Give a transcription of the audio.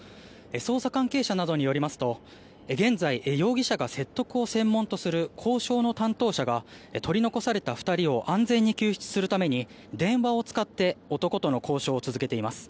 捜査関係者などによりますと現在、容疑者が説得を専門とする交渉の担当者が取り残された２人を安全に救出するために電話を使って男との交渉を続けています。